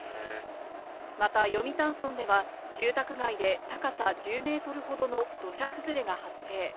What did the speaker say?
また読谷村では住宅街で、高さ１０メートルほどの土砂崩れが発生。